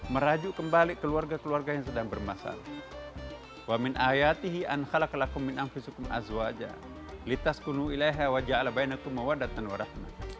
merajuk kembali keluarga keluarga yang sedang bermasalah